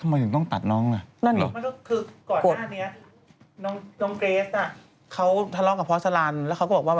ทำไมถึงต้องตัดน้องน่ะ